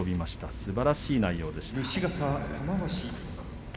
すばらしい内容でした。